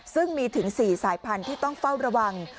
ซึ่งมีถึง๔สายพันธุ์ที่ต้องเฝ้าระวัง